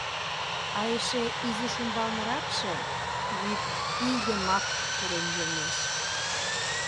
А эше изиш умбалныракше вӱд ий йымак пурен йомеш.